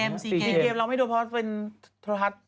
มีเกมเราไม่โดนเพราะว่าเป็นทรศ